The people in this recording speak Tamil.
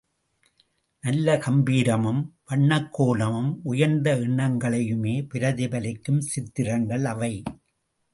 நல்ல கம்பீரமும், வண்ணக் கோலமும், உயர்ந்த எண்ணங்களையுமே பிரதிபலிக்கும் சித்திரங்கள் அவை.